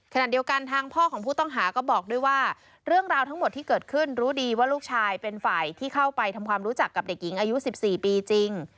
ขณะเดียวกันทางพ่อของผู้ต้องหาก็บอกด้วยว่าเรื่องราวทั้งหมดที่เกิดขึ้นรู้ดีว่าลูกชายเป็นฝ่ายที่เข้าไปทำความรู้จักกับเด็กหญิงอายุ๑๔ปีจริง